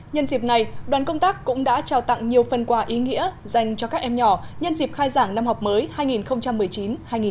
nhân dịp này đoàn công tác cũng đã trao tặng nhiều phần quà ý nghĩa dành cho các em nhỏ nhân dịp khai giảng năm học mới hai nghìn một mươi chín hai nghìn hai mươi